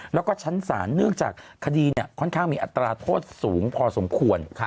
แล้วก็ชั้นศาลเนื่องจากคดีค่อนข้างมีอัตราโทษสูงพอสมควร